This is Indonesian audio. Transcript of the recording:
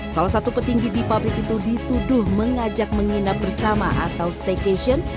salah satu petinggi di pabrik itu dituduh mengajak menginap bersama atau staycation